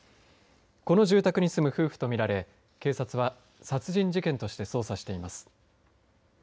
この住宅に住む夫婦と見られ警察は殺人事件として捜査しています。